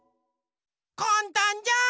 かんたんじゃん。